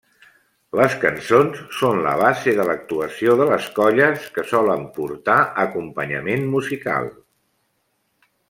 Les cançons són la base de l'actuació de les colles que solen portar acompanyament musical.